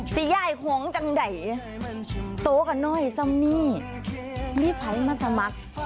สิยายของจังไหนโตกันหน่อยซ้ำนี่รีบไพรมาสมัคร